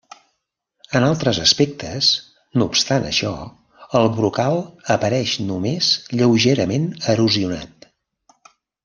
En altres aspectes, no obstant això, el brocal apareix només lleugerament erosionat.